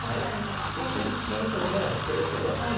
で切られても眼が減ってるわけではないので。